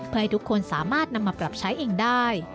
เพื่อให้ทุกคนสามารถนำมาปรับใช้เองได้